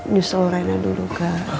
justru rena dulu kak